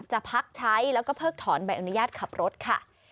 จะพักใช้แล้วก็เพิกถอนใบอนุญาตขับรถค่ะ